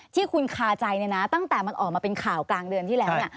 ที่คุณคาใจเนี่ยนะตั้งแต่มันออกมาเป็นข่าวกลางเดือนที่แล้วเนี่ย